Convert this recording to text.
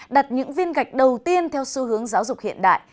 đặt những viên gạch đầu tiên theo xu hướng giáo dục hiện đại